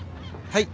はい。